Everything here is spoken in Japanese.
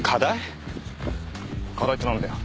課題って何だよ？